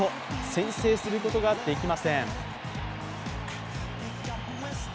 先制することができません。